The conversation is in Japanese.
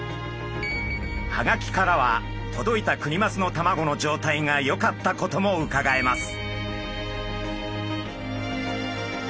ハガキからは届いたクニマスの卵の状態がよかったこともうかがえます。